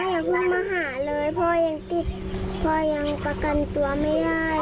อย่าเพิ่งมาหาเลยพ่อยังติดพ่อยังประกันตัวไม่ได้